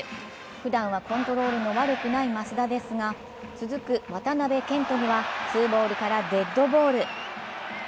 ふだんはコントロールの悪くない益田ですが続く渡部健人にはツーボールからデッドボール。